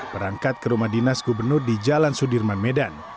berangkat ke rumah dinas gubernur di jalan sudirman medan